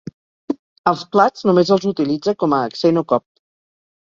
Els plats només els utilitza com a accent o cop.